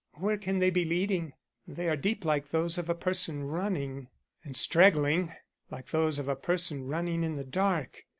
Where can they be leading? They are deep like those of a person running." "And straggling, like those of a person running in the dark.